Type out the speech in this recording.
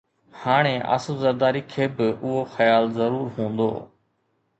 هاڻ آصف زرداري کي به اهو خيال ضرور هوندو